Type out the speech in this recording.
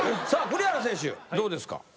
さあ栗原選手どうですか？